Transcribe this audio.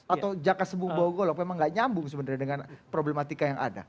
atau jaka sembuh bohong golok memang tidak nyambung sebenarnya dengan problematika yang ada